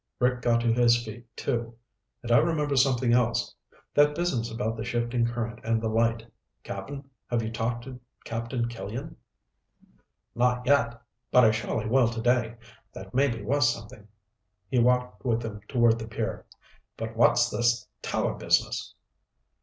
Rick got to his feet, too. "And I remember something else. That business about the shifting current and the light. Cap'n, have you talked to Captain Killian?" "Not yet, but I surely will today. That may be worth something." He walked with them toward the pier. "But what's this tower business?"